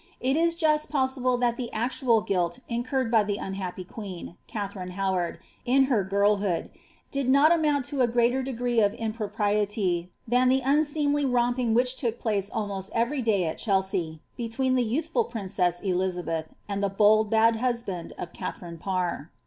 It is 3le that the actual guilt incurred by the unhappy queen, Katha iward, in her girlhood, did not amount to a greater degree of y than the unseemly romping which took place almost every elsea, between the youthful princess, Elizabeth, and the bold, nd of Katharine Parr.